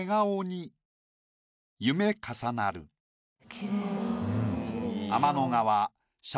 きれい。